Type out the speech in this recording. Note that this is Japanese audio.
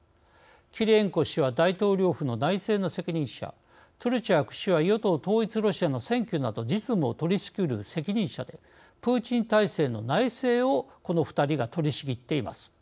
キリエンコ氏は大統領府の内政の責任者トゥルチャク氏は与党・統一ロシアの選挙など実務を取りしきる責任者でプーチン体制の内政をこの２人が取り仕切っています。